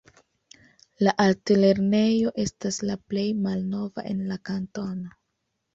La altlernejo estas la plej malnova en la kantono.